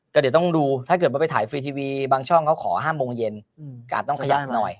ก็เดี๋ยวต้องดูถ้าเกิดว่าไปถ่ายฟรีทีวีบางช่องเขาขอ๕โมงเย็นกาดต้องขยับหน่อย